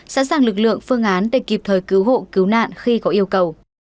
sẵn sàng lực lượng phương án để kịp thời cứu hộ cứu nạn khi có yêu cầu